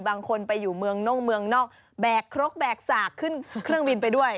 บางคนไปอยู่เมืองน่งเมืองนอกแบกครกแบกสากขึ้นเครื่องบินไปด้วย